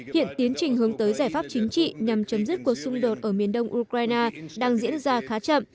hiện tiến trình hướng tới giải pháp chính trị nhằm chấm dứt cuộc xung đột ở miền đông ukraine đang diễn ra khá chậm